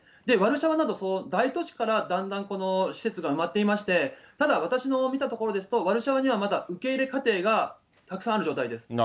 で、ワルシャワなど大都市から、だんだん施設が埋まっていまして、ただ私の見たところですと、ワルシャワにはまだ受け入れかていがたくさんある状態です。